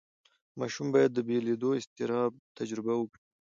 ماشوم باید د بېلېدو اضطراب تجربه وکړي.